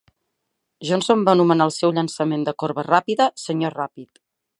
Johnson va anomenar el seu llançament de corba ràpida "Sr. Ràpid".